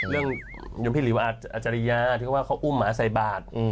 เรื่องอย่างพี่หลิวอาจารยาที่เขาว่าเขาอุ้มหมาใส่บาตร